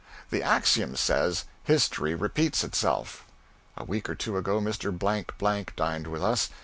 The axiom says "History repeats itself." A week or two ago Mr. Blank Blank dined with us.